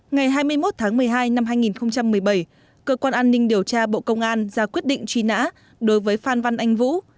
ngày hai mươi một tháng một mươi hai năm hai nghìn một mươi bảy cơ quan an ninh điều tra bộ công an ra quyết định truy nã đối với phan văn anh vũ